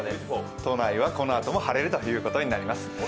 都内は、このあとも晴れるということになります。